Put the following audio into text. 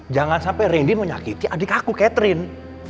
jangan sampai randy mau nyakiti adik aku catherine